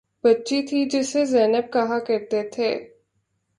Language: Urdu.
بچی تھی جسے زینب کہا کرتے تھے